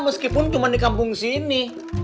meskipun cuma di kampung sini